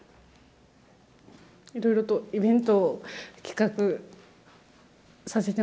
いろいろとイベントを企画させてもらって。